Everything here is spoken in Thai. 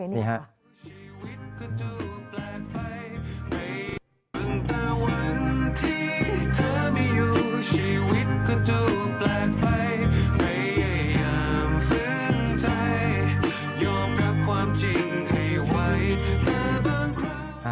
ใช่นี่ฮะ